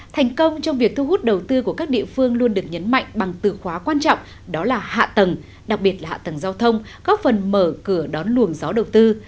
thành công trong việc thu hút đầu tư của các địa phương luôn được nhấn mạnh bằng từ khóa quan trọng đó là hạ tầng đặc biệt là hạ tầng giao thông góp phần mở cửa đón luồng gió đầu tư